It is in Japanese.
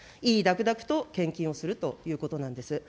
唯々諾々と献金をするということなんです。